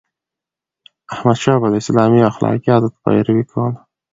احمدشاه بابا د اسلامي اخلاقياتو پیروي کوله.